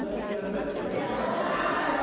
そうなりますよ。